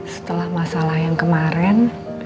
setelah masalah yang kemarin